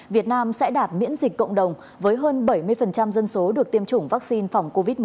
việt nam sẽ đạt miễn dịch cộng đồng với hơn bảy mươi dân số được tiêm chủng vaccine phòng covid một mươi chín